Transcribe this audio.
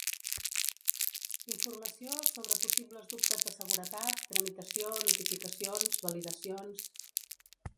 Informació sobre possibles dubtes de seguretat, tramitació, notificacions, validacions...